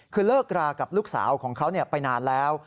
คือเลิกรากับลูกสาวของเขาไปนานแล้ว